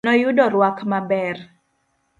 Noyudo rwak maber.